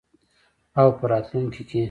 او په راتلونکي کې.